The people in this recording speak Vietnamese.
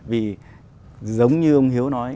vì giống như ông hiếu nói